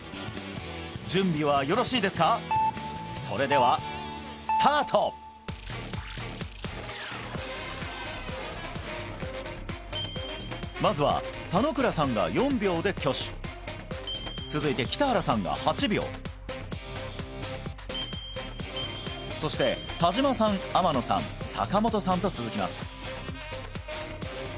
それではスタートまずは田野倉さんが４秒で挙手続いて北原さんが８秒そして田島さん天野さん坂本さんと続きます